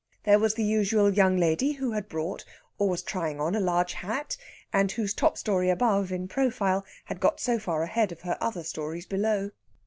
There was the usual young lady who had bought, or was trying on, a large hat, and whose top story above, in profile, had got so far ahead of her other stories below.